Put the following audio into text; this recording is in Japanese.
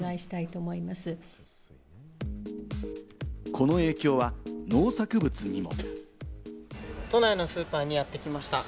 この影響は農作物にも。